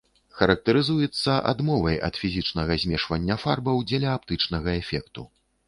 Характарызуецца адмовай ад фізічнага змешвання фарбаў дзеля аптычнага эфекту.